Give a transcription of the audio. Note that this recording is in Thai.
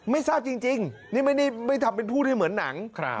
ไม่ทราบจริงนี่ไม่ได้ทำเป็นพูดให้เหมือนหนัง